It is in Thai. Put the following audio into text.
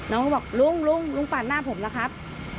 น้องก็บอกลุงลุงปาดหน้าผมล่ะครับ